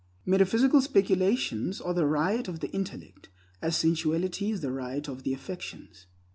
Metaphysical speculations are the riot of the intellect, as sensuality is the riot of the affections.